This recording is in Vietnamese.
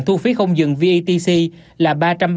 thu phí không dừng vetc là